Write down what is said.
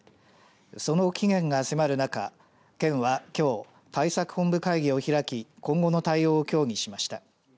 その期限が迫る中県は、きょう対策本部会議を開き今後の対応を協議しました。